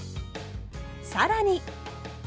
更に。